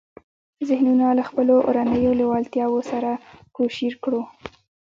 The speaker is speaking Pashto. ذهنونه له خپلو اورنيو لېوالتیاوو سره کوشير کړو.